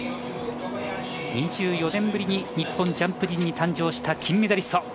２４年ぶりに日本ジャンプ陣に誕生した金メダリスト。